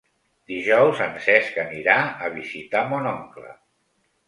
Dijous en Cesc anirà a visitar mon oncle.